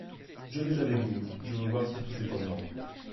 Je vais avec vous… je veux voir si tout est en ordre.